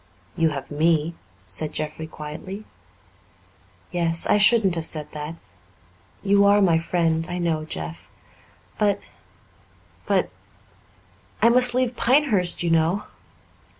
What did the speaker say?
"You have me," said Jeffrey quietly. "Yes. I shouldn't have said that. You are my friend, I know, Jeff. But, but I must leave Pinehurst, you know."